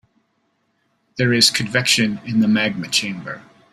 There is convection in the magma chamber.